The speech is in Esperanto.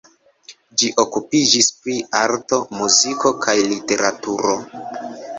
Ĝi okupiĝis pri arto, muziko kaj literaturo.